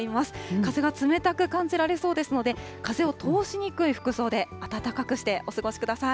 風が冷たく感じられそうですので、風を通しにくい服装で暖かくしてお過ごしください。